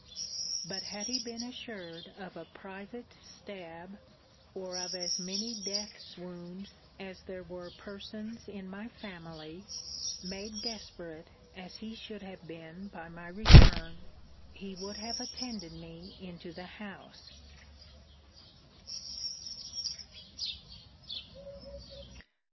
But had he been assured of a private stab, or of as many death's wounds as there were persons in my family, (made desperate as he should have been by my return,) he would have attended me into the house.'